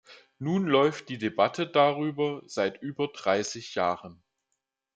Nun läuft die Debatte darüber seit über dreißig Jahren.